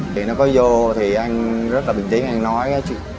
khi nó có vô thì anh rất là bình tĩnh anh nói cái chuyện